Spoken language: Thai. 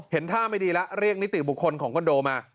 ท่าไม่ดีแล้วเรียกนิติบุคคลของคอนโดมา